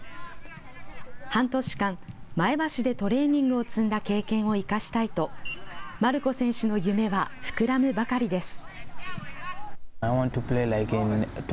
半年間、前橋でトレーニングを積んだ経験を生かしたいとマルコ選手の夢は膨らむばかりです。